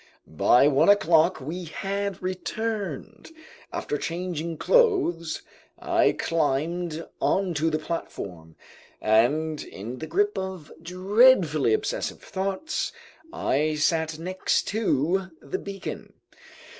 By one o'clock we had returned. After changing clothes, I climbed onto the platform, and in the grip of dreadfully obsessive thoughts, I sat next to the beacon.